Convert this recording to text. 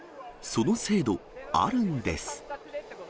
その制度、あるんです。